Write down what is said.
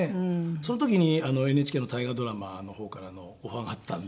その時にＮＨＫの大河ドラマの方からのオファーがあったんで。